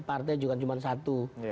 partai juga cuma satu